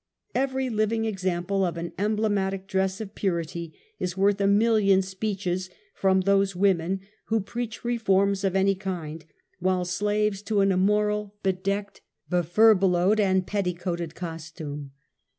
Every living example of an emblematic dress of 23urity , is worth a million speeches from those women who preach reforms of any kind while slaves to an immoral, bedecked, befurbelowed, and petticoated costume.